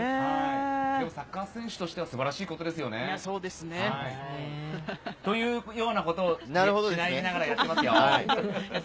サッカー選手としては素晴らしいことですよね。というようなことを試合を見ながらやっていますよ。